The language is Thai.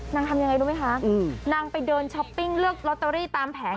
ทำยังไงรู้ไหมคะนางไปเดินช้อปปิ้งเลือกลอตเตอรี่ตามแผง